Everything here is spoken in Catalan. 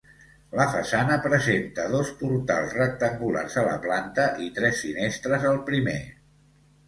La façana presenta dos portals rectangulars a la planta i tres finestres al primer.